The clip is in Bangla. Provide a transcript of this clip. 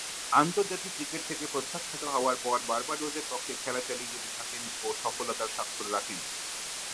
আন্তর্জাতিক ক্রিকেট থেকে প্রত্যাখ্যাত হবার পর, বার্বাডোসের পক্ষে খেলা চালিয়ে যেতে থাকেন ও সফলতার স্বাক্ষর রাখেন।